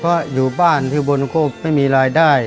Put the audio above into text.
เพราะอยู่บ้านที่บนก็ไม่มีรายได้